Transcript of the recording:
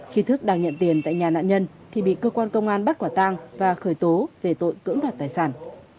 khi thức đang nhận tiền tại nhà nạn nhân thì bị cơ quan công an bắt quả tang và khởi tố về tội cưỡng đoạt tài sản